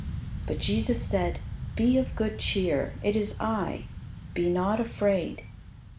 But Jesus said, "Be of good cheer: it is I; be not afraid."